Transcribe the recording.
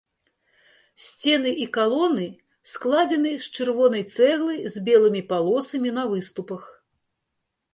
Сцены і калоны складзены з чырвонай цэглы з белымі палосамі на выступах.